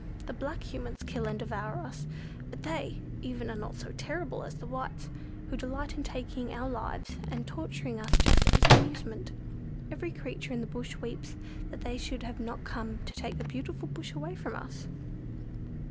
The black Humans kill and devour us; but they, even, are not so terrible as the Whites, who delight in taking our lives, and torturing us just as an amusement. Every creature in the bush weeps that they should have come to take the beautiful bush away from us."